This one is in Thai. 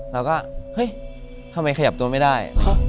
เราก็เฮ้ยทำไมขยับตัวไม่ได้